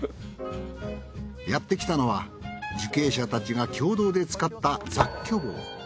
やってきたのは受刑者たちが共同で使った雑居房。